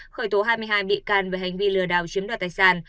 khởi tố hai mươi hai bị can về hành vi lừa đảo chiếm đoạt tài sản